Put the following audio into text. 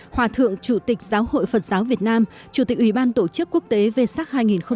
hòa thượng chủ tịch giáo hội phật giáo việt nam chủ tịch ủy ban tổ chức quốc tế vơ sắc hai nghìn một mươi chín